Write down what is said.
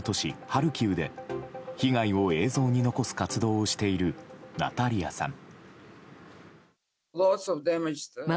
ハルキウで被害を映像に残す活動をしているナタリアさん。